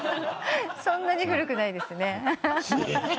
そんなに古くないですね。